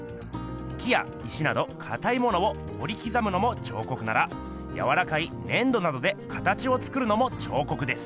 木や石などかたいものを彫り刻むのも彫刻ならやわらかい粘土などでかたちを作るのも彫刻です。